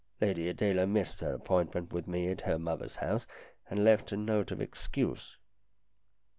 Lady Adela missed her appointment with me at her mother's house, and left a note of excuse.